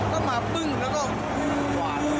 ต้องมาปึ้งแล้วก็หวาดไปเลย